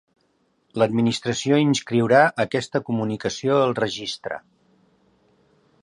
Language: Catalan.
L'administració inscriurà aquesta comunicació al registre.